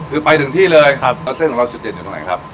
คือไปถึงที่เลยครับแล้วเส้นของเราจุดเด่นอยู่ตรงไหนครับ